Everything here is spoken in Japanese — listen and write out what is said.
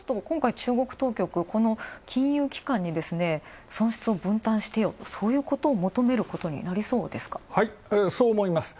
中国当局は金融機関に損失を分担して、そういうことを求めることになりそうですか？